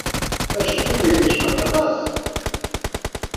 Acebbub-nnek yecbeḥ aṭas.